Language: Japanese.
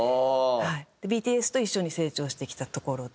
ＢＴＳと一緒に成長してきたところで。